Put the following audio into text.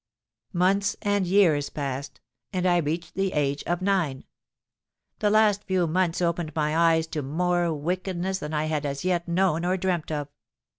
"Months and years passed—and I reached the age of nine. The last few months opened my eyes to more wickedness than I had as yet known or dreamt of.